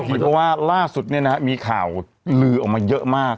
เพราะว่าล่าสุดเนี่ยนะครับมีข่าวลือออกมาเยอะมาก